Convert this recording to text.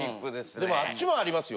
でもあっちもありますよ。